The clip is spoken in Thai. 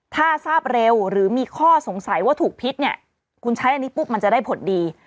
ถ้าทราบเร็วหรือมีข้อสงสัยว่าถูกพิษเนี่ยคุณใช้อันนี้ปุ๊บมันจะได้ผลดี